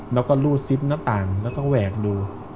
แล้วก็รูดซิปหน้าต่างแล้วก็แหวกดู